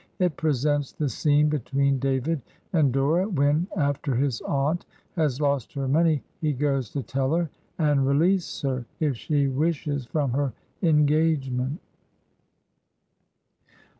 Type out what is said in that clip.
It presents the scene between David and Dora when, after his aunt has lost her money, he goes to tell her, and release her, if she wishes, from her engagement.